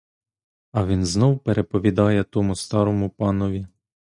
А він знов переповідає тому старому панові.